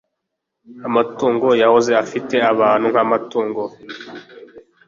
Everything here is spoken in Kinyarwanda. amatungo yahoze afite abantu nkamatungo